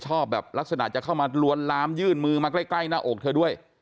ชอบแบบลักษณะจะเข้ามาลวนลามยื่นมือมาใกล้หน้าอกเธอด้วย